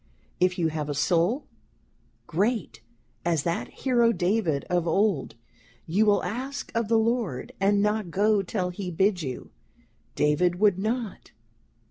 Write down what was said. If you have a Soul, great as that Hero David of old, you will ask of the Lord, and not go till he bid you: David would not.